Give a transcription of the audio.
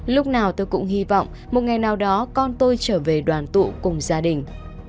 lúc nào tôi cũng hy vọng một ngày nào đó con tôi trở về đoàn tụ cùng gia đình